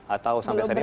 atau sampai saat ini